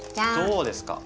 どうですか？